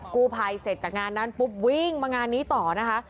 ภัยเสร็จจากงานนั้นปุ๊บวิ่งมางานนี้ต่อนะคะ